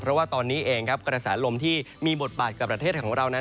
เพราะว่าตอนนี้เองครับกระแสลมที่มีบทบาทกับประเทศของเรานั้น